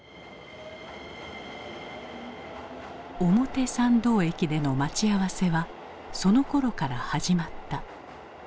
表参道駅での待ち合わせはそのころから始まった。